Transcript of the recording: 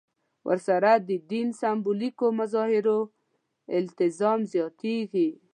ورسره د دین سېمبولیکو مظاهرو التزام زیاتېږي.